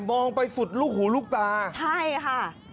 มองไปสุดลูกหูลูกตาใช่ค่ะ